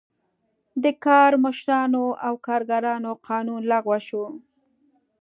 د کارمشرانو او کارګرانو قانون لغوه شو.